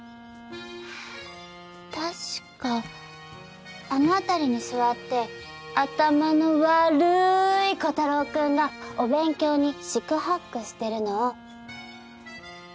確かあの辺りに座って頭の悪い炬太郎くんがお勉強に四苦八苦してるのを。